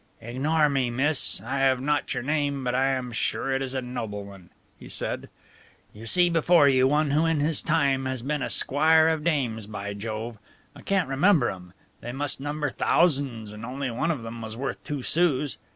"Ignore me, miss I have not your name, but I am sure it is a noble one," he said. "You see before you one who in his time has been a squire of dames, by Jove! I can't remember 'em. They must number thousands and only one of them was worth two sous.